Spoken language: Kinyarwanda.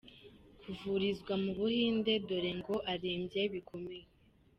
kuvurizwa mu Buhinde dore ngo arembye bikomeye.